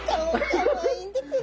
かわいいんですね。